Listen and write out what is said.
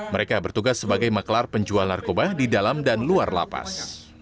mereka bertugas sebagai maklar penjual narkoba di dalam dan luar lapas